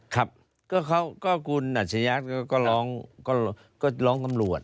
ครับก็คุณอัชยะก็ร้องตำรวจ